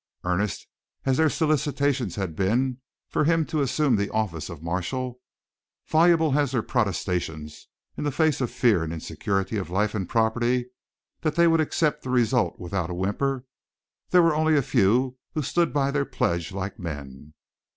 Earnest as their solicitations had been for him to assume the office of marshal, voluble as their protestations in the face of fear and insecurity of life and property that they would accept the result without a whimper, there were only a few who stood by their pledges like men.